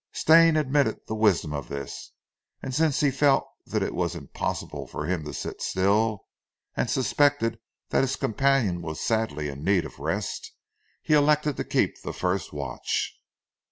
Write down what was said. Stane admitted the wisdom of this, and since he felt that it was impossible for himself to sit still, and suspected that his companion was sadly in need of rest, he elected to keep the first watch.